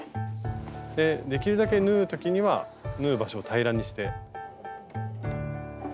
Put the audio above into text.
できるだけ縫う時には縫う場所を平らにして。